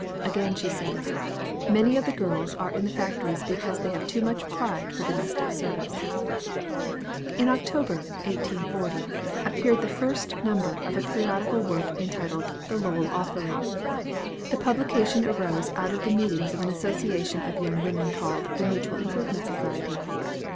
Again, she says, "Many of the girls are in the factories because they have too much pride for domestic service." In October, 1840, appeared the first number of a periodical work entitled "The Lowell Offering." The publication arose out of the meetings of an association of young women called "The Mutual Improvement Society."